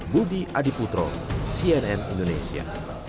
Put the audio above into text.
budi adiputro cnn indonesia